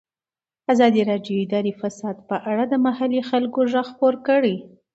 ازادي راډیو د اداري فساد په اړه د محلي خلکو غږ خپور کړی.